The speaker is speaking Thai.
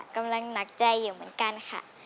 กำลังหนักใจอยู่เหมือนกันค่ะ